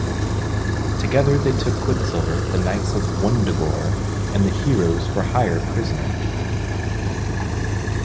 Together they took Quicksilver, the Knights of Wundagore, and the Heroes for Hire prisoner.